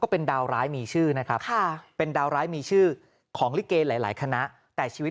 เป็นดาวร้ายมีชื่อนะครับเป็นดาวร้ายมีชื่อของลิเกหลายคณะแต่ชีวิต